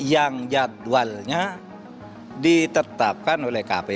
yang jadwalnya ditetapkan oleh kpu